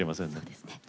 そうですね。